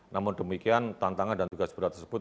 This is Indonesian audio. namun demikian tantangan dan tugas berat tersebut